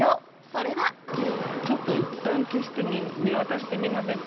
それはちょっといったん消して見渡してみません？